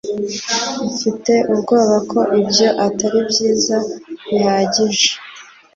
mfite ubwoba ko ibyo atari byiza bihagije